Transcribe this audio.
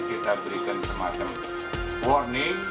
kita berikan semacam warning